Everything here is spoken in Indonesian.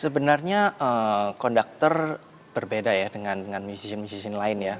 sebenarnya konduktor berbeda ya dengan musician musician lain ya